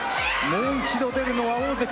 もう一度出るのは大関。